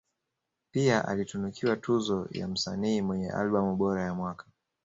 Pia alitunukiwa tuzo ya msanii mwenye albamu bora ya mwaka